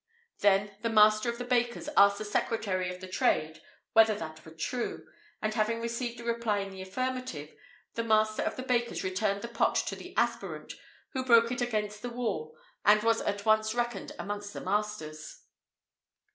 Then the master of the bakers asked the secretary of the trade whether that were true, and having received a reply in the affirmative, the master of the bakers returned the pot to the aspirant, who broke it against the wall, and was at once reckoned amongst the masters.